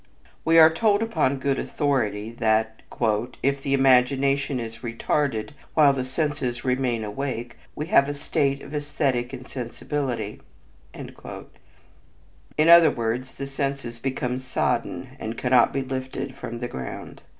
We are told upon good authority that "If the imagination is retarded, while the senses remain awake, we have a state of esthetic insensibility," in other words, the senses become sodden and cannot be lifted from the ground.